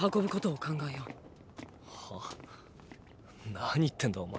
何言ってんだお前。